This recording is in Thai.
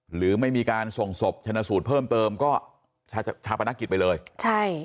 หรือไม่มีการส่งศพชนะสูตรเพิ่มเติมก็ชาชาปนกิจไปเลยใช่